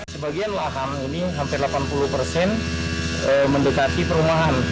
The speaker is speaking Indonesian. sebagian lahan ini hampir delapan puluh persen mendekati perumahan